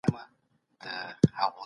څوک چې دا قوانین زده کړي بریالی کېږي.